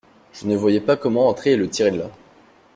Je ne voyais pas comment entrer et le tirer de là.